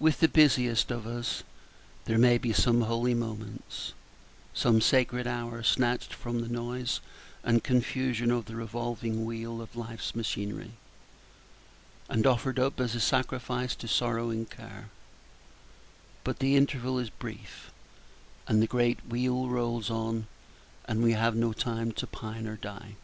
With the Page 34 busiest of us there may be some holy moments, some sacred hour snatched from the noise and confusion of the revolving wheel of Life's machinery, and offered up as a sacrifice to sorrow and care; but the interval is brief, and the great wheel rolls on, and we have no time to pine or die.